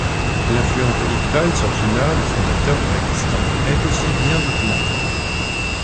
L'influence de Iqbal sur Jinnah, le fondateur du Pakistan, est aussi bien documentée.